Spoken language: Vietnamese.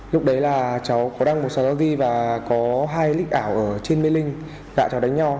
lúc đấy là cháu có đăng một số giao di và có hai lích ảo ở trên mê linh gã cháu đánh nhau